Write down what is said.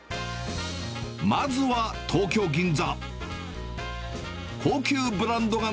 まずは東京・銀座。